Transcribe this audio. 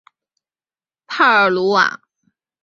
帕尔鲁瓦。